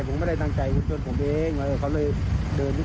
ผมไม่ได้ตั้งใจคือส่วนผมเองเขาเลยเดินลุกเดินที่นี่